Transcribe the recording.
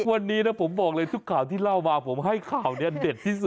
วันนี้นะผมบอกเลยทุกข่าวที่เล่ามาผมให้ข่าวนี้เด็ดที่สุด